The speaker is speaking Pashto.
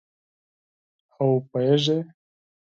او پوهیږې